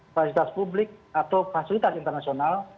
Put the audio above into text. fasilitas publik atau fasilitas internasional